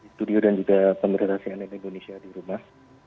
studio dan juga pemerintah cnn indonesia di rumah